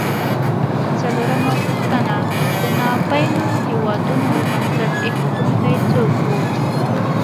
څلورمه پوښتنه: د ناپېیلو هېوادونو بنسټ ایښودونکي څوک و؟